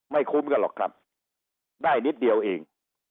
คุ้มกันหรอกครับได้นิดเดียวเอง